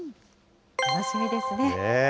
楽しみですね。